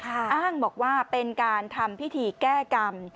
อ้างบอกว่าเป็นการทำพิธีแก้กรรม